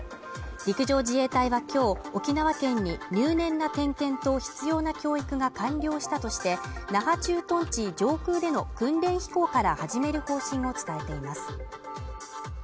陸上自衛隊は今日、沖縄県に入念な点検と必要な教育が完了したとして、那覇駐屯地上空での訓練飛行から始める方針を伝えています。